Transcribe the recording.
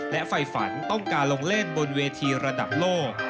และไฟฝันต้องการลงเล่นบนเวทีระดับโลก